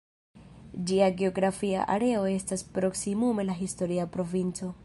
Ĝia geografia areo estas proksimume la historia provinco.